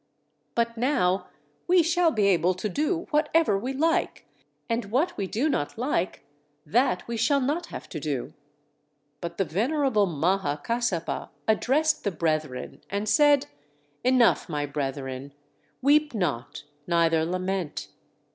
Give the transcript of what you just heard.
But now we shall be able to do whatever we like; and what we do not like that we shall not have to do!" But the venerable Maha Kassapa addressed the brethren, and said: "Enough, my brethren! Weep not, neither lament!